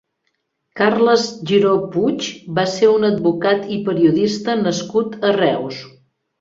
Carles Giró Puig va ser un advocat i periodista nascut a Reus.